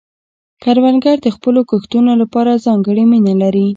کروندګر د خپلو کښتونو لپاره ځانګړې مینه لري